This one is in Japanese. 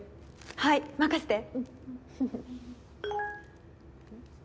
はい任せて。